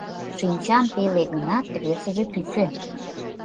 Шинчам пеле гынат, весыже пӱсӧ.